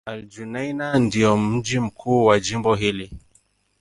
Al-Junaynah ndio mji mkuu wa jimbo hili.